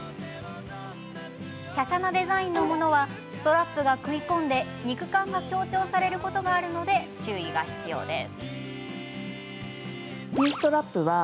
きゃしゃなデザインのものはストラップが食い込んで肉感が強調されることがあるので注意が必要です。